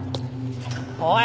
おい！